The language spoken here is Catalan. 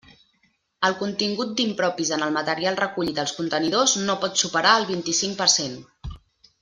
El contingut d'impropis en el material recollit als contenidors, no pot superar el vint-i-cinc per cent.